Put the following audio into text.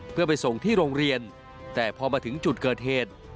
เพื่อไปส่งที่โรงเรียนแต่พอมาถึงจุดเกิดเหตุ